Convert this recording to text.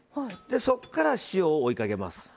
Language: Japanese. そこから塩を追いかけます。